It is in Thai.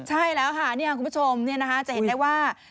ใช่แล้วค่ะคุณผู้ชมจะเห็นได้ว่า